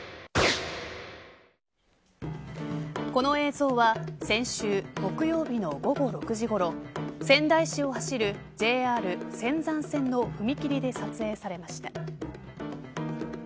この映像は先週木曜日の午後６時ごろ仙台市を走るＪＲ仙山線の踏切で撮影されました。